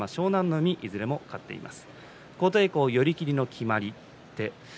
海いずれも勝っています。